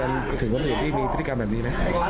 อยากเริ่มถึงที่มีพฤติกรรมแบบนี้นะ